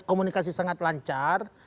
komunikasi sangat lancar